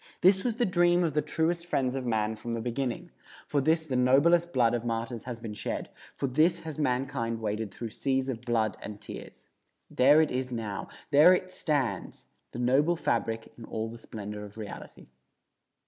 This was the dream of the truest friends of man from the beginning; for this the noblest blood of martyrs has been shed; for this has mankind waded through seas of blood and tears. There it is now; there it stands, the noble fabric in all the splendor of reality.